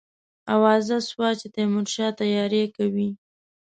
آوازه سوه چې تیمورشاه تیاری کوي.